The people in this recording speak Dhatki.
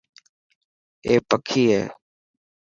اي پکي هي.